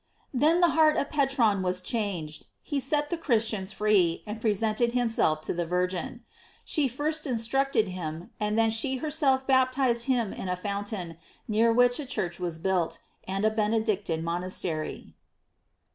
Then the heart of Petran was changed, he set the Christians free, and presented himself to the Virgin. She first instructed him, and then she herself baptized him in a fountain, near which a church was built, and a Benedictine monastery.